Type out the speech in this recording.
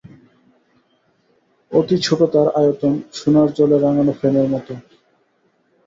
অতি ছোটো তার আয়তন, সোনার জলে রাঙানো ফ্রেমের মতো।